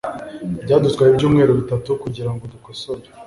Byadutwaye ibyumweru bitatu kugirango dukosore